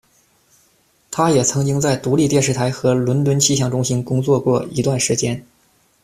他也曾经在独立电视台和伦敦气象中心工作过一段时间。